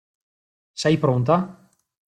Sei pronta?